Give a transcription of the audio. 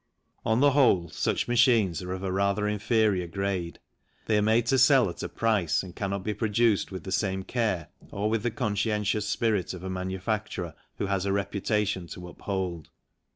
On the whole such machines are of a rather inferior grade, they are made to sell at a price and cannot be produced with the same care or with the conscientious spirit of a manufacturer who has a reputation to uphold.